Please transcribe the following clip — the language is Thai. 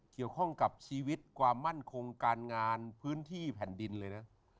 เกี่ยวข้องกับชีวิตความมั่นคงการงานพื้นที่แผ่นดินเลยนะ